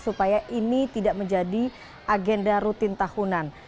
supaya ini tidak menjadi agenda rutin tahunan